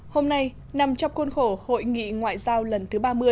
hôm nay nằm trong khuôn khổ hội nghị ngoại giao lần thứ ba mươi